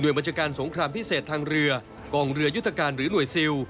บัญชาการสงครามพิเศษทางเรือกองเรือยุทธการหรือหน่วยซิล